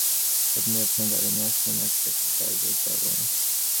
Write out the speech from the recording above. আপনি আপনার গাড়ি নিয়ে আসুন, আমি একটা জায়গায় যাব।